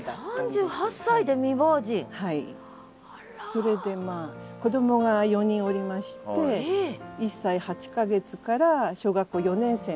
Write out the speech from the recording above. それでまあ子どもが４人おりまして１歳８か月から小学校４年生まで。